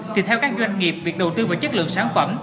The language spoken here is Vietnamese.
thì theo các doanh nghiệp việc đầu tư vào chất lượng sản phẩm